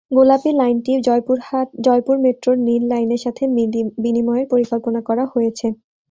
গোলাপী লাইনটি জয়পুর মেট্রোর নীল লাইনের সাথে বিনিময়ের পরিকল্পনা করা হয়েছে।